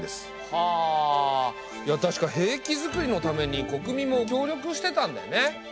はあいや確か兵器づくりのために国民も協力してたんだよね。